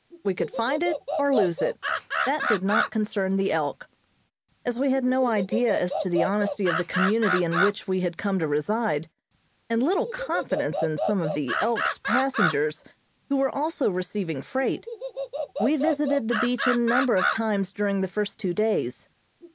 We could find it or lose it that did not concern the "Elk." As we had no idea as to the honesty of the community in which we had come to reside, and little confidence in some of the "Elk's" passengers who were also receiving freight, we visited the beach a number of times during the first two days.